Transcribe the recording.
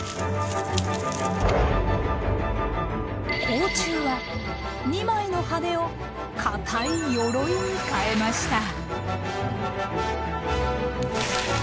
甲虫は２枚の羽を硬いヨロイに変えました。